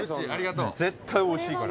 絶対おいしいから。